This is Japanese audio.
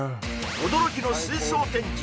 驚きの水槽展示